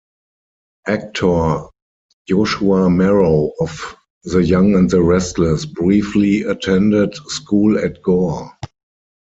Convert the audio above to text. Actor Joshua Morrow of "The Young and the Restless" briefly attended school at Gore.